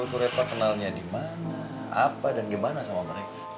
bantu reva kenalnya dimana apa dan gimana sama mereka